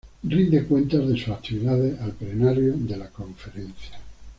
Rinde cuentas de sus actividades al Plenario de la Conferencia.